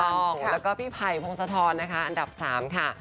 แล้วก็พี่ไผ่โพงสะท้อนอันดับ๓ค่ะ